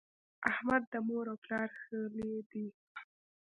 احمد د مور او پلار ښهلی دی.